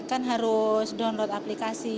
kan harus download aplikasi